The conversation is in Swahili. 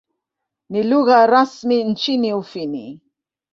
Ni lugha rasmi nchini Ufini.